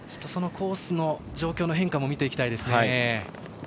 そのコースの状況の変化も見ていきたいですね。